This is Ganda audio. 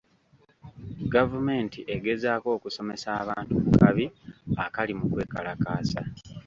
Gavumenti egezaako okusomesa abantu ku kabi akali mu kwekalakaasa.